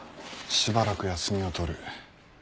しばらく休みを取る。